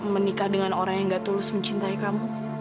menikah dengan orang yang gak tulus mencintai kamu